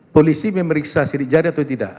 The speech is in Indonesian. polisi memeriksa sidik jari atau tidak